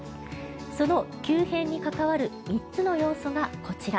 その急変に関わる３つの要素がこちら。